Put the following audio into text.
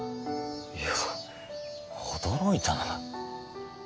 いや驚いたな。